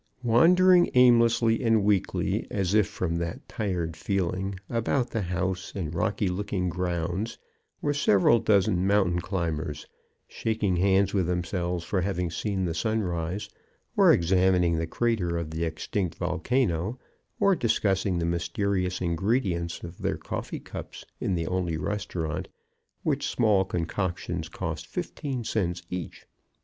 Wandering aimlessly and weakly, as if from that tired feeling, about the house and rocky looking grounds, were several dozen mountain climbers, shaking hands with themselves for having seen the sunrise, or examining the crater of the extinct volcano, or discussing the mysterious ingredients of their coffee cups in the only restaurant, which small concoctions cost fifteen cents each.